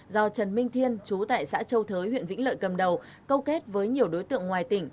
do trần minh thiên chú tại xã châu thới huyện vĩnh lợi cầm đầu câu kết với nhiều đối tượng ngoài tỉnh